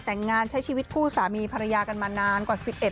แต่งงานใช้ชีวิตคู่สามีภรรยากันมานานกว่า๑๑